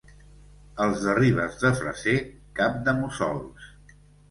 Els de Ribes de Freser, cap-de-mussols.